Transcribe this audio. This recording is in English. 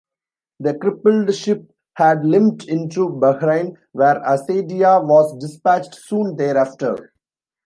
The crippled ship had limped into Bahrain, where "Acadia" was dispatched soon thereafter.